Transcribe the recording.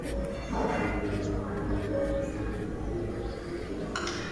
শিয়া-সুন্নি বিভাজন, আসাদের রাজনৈতিক ভবিষ্যৎ, মতবাদিক বিতর্ক—এগুলো আখেরে অতটা গুরুত্বপূর্ণ ব্যাপার নয়।